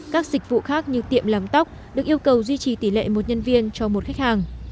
các dịch vụ khác như tiệm làm tóc được yêu cầu duy trì tỷ lệ một nhân viên cho một khách hàng